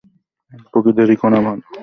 আর কি দেরি করা ভালো?